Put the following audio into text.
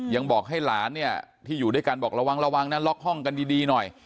ยังบอกให้หลานเนี่ยที่อยู่ด้วยกันบอกระวังระวังนะล็อกห้องกันดีหน่อย